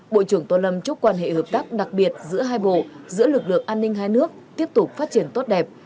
bộ trưởng tô lâm chúc quan hệ hợp tác đặc biệt giữa hai bộ giữa lực lượng an ninh hai nước tiếp tục phát triển tốt đẹp